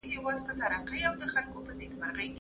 سياست د واک د ترلاسه کولو مبارزه ده.